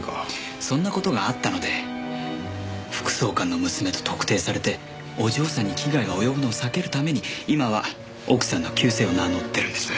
そんな事があったので副総監の娘と特定されてお嬢さんに危害が及ぶのを避けるために今は奥さんの旧姓を名乗ってるんです。